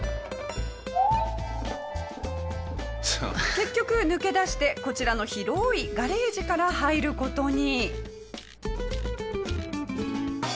結局抜け出してこちらの広いガレージから入る事に。